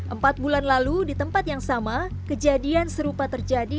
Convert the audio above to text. empat bulan lalu di tempat yang sama kejadian serupa terjadi